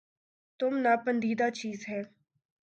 تم ناپندیدہ چیز ہے